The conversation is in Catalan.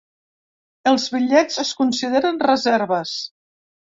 Els bitllets es consideren reserves.